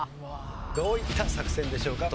どういった作戦でしょうか？